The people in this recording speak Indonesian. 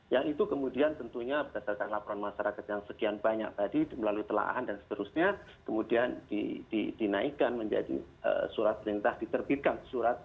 yang itu kemudian tentunya berdasarkan laporan masyarakat yang sekian banyak tadi melalui telahan dan seterusnya kemudian dinaikkan menjadi surat perintah diterbitkan surat